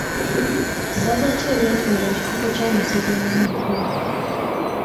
Ssaza ki eryatwala ekikopo kya masaza mu mwaka ogwo?